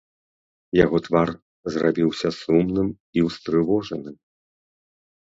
Яго твар зрабіўся сумным і ўстрывожаным.